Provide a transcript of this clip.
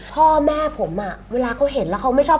พ่อแม่ผมอ่ะเวลาเขาเห็นแล้วเขาไม่ชอบ